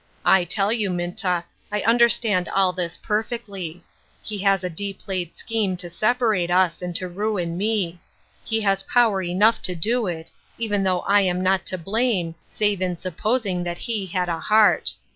I tell you, Minta, I understand all this perfectly ; he has a deep laid scheme to separate us, and to ruin me ; he has power enough to do it, even though I am not to blame, save in supposing that he had a heart.